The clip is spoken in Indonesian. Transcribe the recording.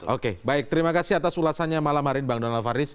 oke baik terima kasih atas ulasannya malam hari ini bang donald faris